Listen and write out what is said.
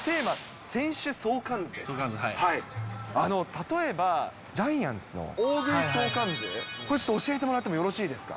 例えば、ジャイアンツの大食い相関図を、これ、ちょっと教えてもらってもよろしいですか。